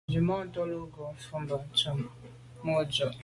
Nzwimàntô lo ghom fotmbwe ntùm mo’ dù’.